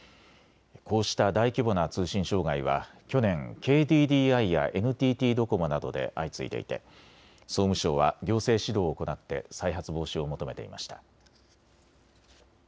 こうした大規模な通信障害は去年、ＫＤＤＩやＮＴＴドコモなどで相次いでいて総務省は行政指導を行って再発防止を求めていました。